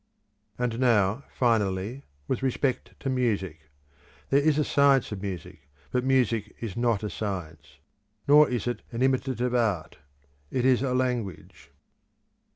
And now, finally, with respect to music. There is a science of music; but music is not a science. Nor is it an imitative art. It is a language.